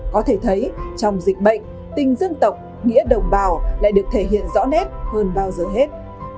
có thể thấy trong dịch bệnh tình dân tộc nghĩa đồng bào lại được thể hiện rõ nét hơn bao giờ hết